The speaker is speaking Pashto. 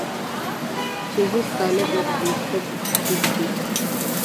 چې هېڅ طالب به د دوستم په شتون کې.